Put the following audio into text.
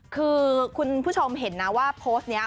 คือคุณผู้ชมเห็นนะว่าโพสต์นี้